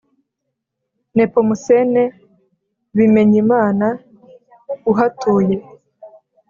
Nepomuscène Bimenyimana uhatuye